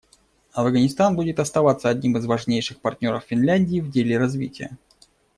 Афганистан будет оставаться одним из важнейших партнеров Финляндии в деле развития.